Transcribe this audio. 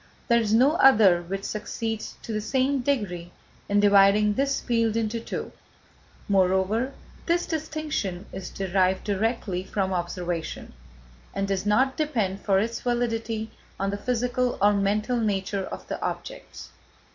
There is no other which succeeds, to the same degree, in dividing this field into two, moreover, this distinction is derived directly from observation, and does not depend for its validity on the physical or mental nature of the objects.